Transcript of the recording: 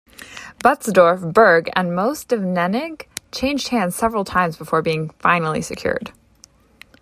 Butzdorf, Berg, and most of Nennig changed hands several times before being finally secured.